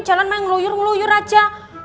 jalan main ngeloyur ngeloyur aja